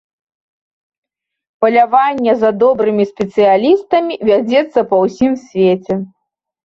Паляванне за добрымі спецыялістамі вядзецца па ўсім свеце.